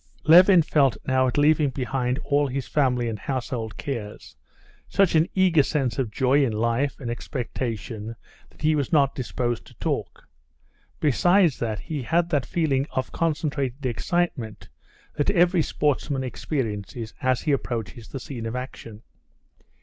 Levin felt now at leaving behind all his family and household cares such an eager sense of joy in life and expectation that he was not disposed to talk. Besides that, he had that feeling of concentrated excitement that every sportsman experiences as he approaches the scene of action.